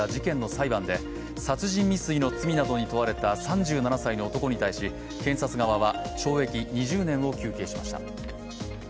裁判で殺人未遂の罪などに問われた３７歳の男に対し検察側は、懲役２０年を求刑しました。